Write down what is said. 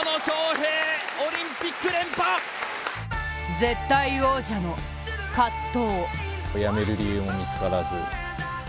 絶対王者の葛藤。